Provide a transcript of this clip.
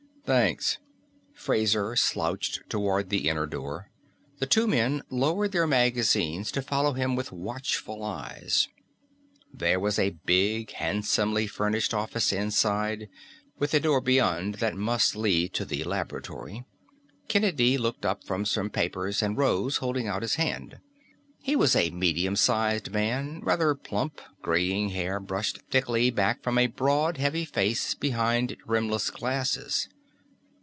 "Thanks." Fraser slouched toward the inner door. The two men lowered their magazines to follow him with watchful eyes. There was a big, handsomely furnished office inside, with a door beyond that must lead to the laboratory. Kennedy looked up from some papers and rose, holding out his hand. He was a medium sized man, rather plump, graying hair brushed thickly back from a broad, heavy face behind rimless glasses.